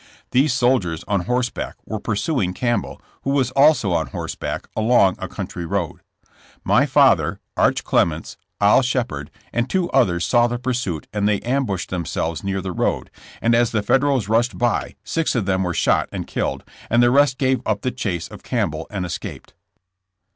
These soldiers, on horseback, were pursuing Campbell, who was also on horseback, along a country road. My father. Arch Clements, Oil Shepherd, and two others saw the pursuit and 80 JESSB JAMES. they ambushed themselves near the road, and as the Federals rushed by six of them were shot and killed, and the rest gave up the chase of Campbell and es caped.